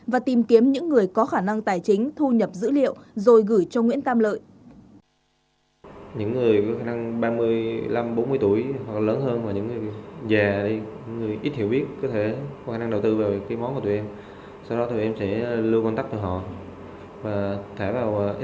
và tìm kiếm những người có khả năng tài chính thu nhập dữ liệu rồi gửi cho nguyễn tam lợi